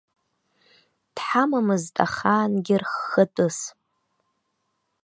Дҳамамызт ахаангьы рххатәыс.